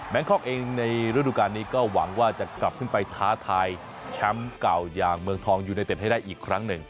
คอกเองในฤดูการนี้ก็หวังว่าจะกลับขึ้นไปท้าทายแชมป์เก่าอย่างเมืองทองยูเนเต็ดให้ได้อีกครั้งหนึ่ง